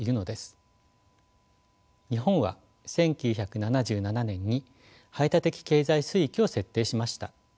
日本は１９７７年に排他的経済水域を設定しました。